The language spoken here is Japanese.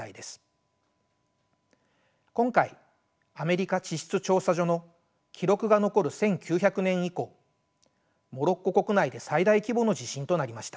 今回アメリカ地質調査所の記録が残る１９００年以降モロッコ国内で最大規模の地震となりました。